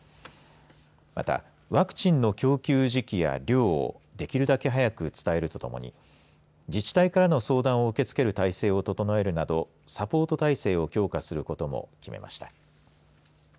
また、ワクチンの供給時期や量をできるだけ早く伝えるとともに自治体からの相談を受け付ける体制を整えるなどサポート態勢を強化することも決めました。